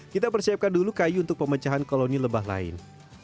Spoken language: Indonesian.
kita persiapkan dulu kayu untuk pemecahan koloni lebah lain